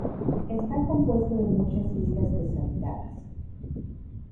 Está compuesto de muchas islas deshabitadas.